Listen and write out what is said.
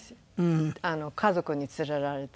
家族に連れられて。